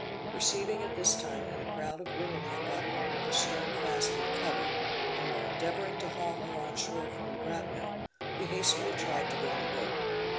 Perceiving at this time that a crowd of women had got hold of the stern fast of the cutter, and were endeavoring to haul her on shore from the grapnel, we hastily tried to gain the boat.